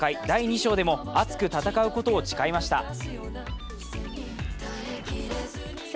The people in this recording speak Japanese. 第２章でも熱く戦うことを誓いました。